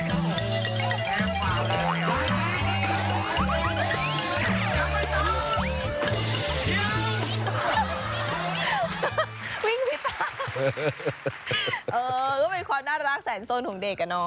ก็เป็นความน่ารักแสนสนของเด็กอะเนาะ